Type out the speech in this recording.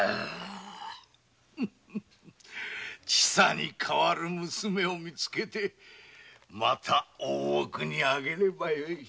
千佐に代る娘をみつけてまた大奥にあげればよい。